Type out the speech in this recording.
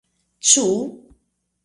Ĉu?